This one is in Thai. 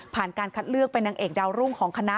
การคัดเลือกเป็นนางเอกดาวรุ่งของคณะ